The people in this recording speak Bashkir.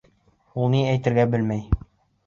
Ул ни әйтергә белмәй: